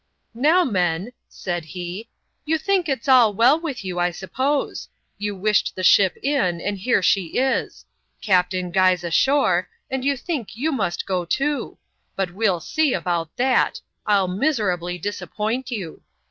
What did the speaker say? " Now, men," said he, " you think it's all well with you, I suppose. You wished the ship in, and here she is. Captair Guy's ashore, and you think you must go too : but we'll see about that — I'll miserably disappoint you."